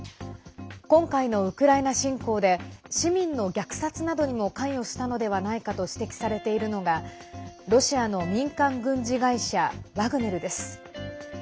今回のウクライナ侵攻で市民の虐殺などにも関与したのではないかと指摘されているのがロシアの民間軍事会社ワグネルです。